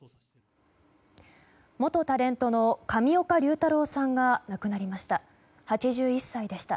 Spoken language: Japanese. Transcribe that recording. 元タレントの上岡龍太郎さんが亡くなりました。